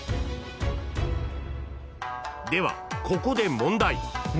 ［ではここで問題］